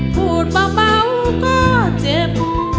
พูดเบาก็เจ็บ